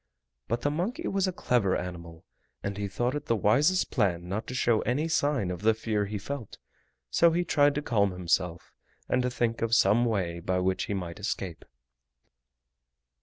But the monkey was a clever animal, and he thought it the wisest plan not to show any sign of the fear he felt, so he tried to calm himself and to think of some way by which he might escape.